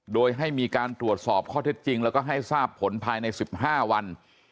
โดยให้มีการตรวจสอบข้อเท็จจริงแล้วก็ให้ทราบผลภายใน๑๕วัน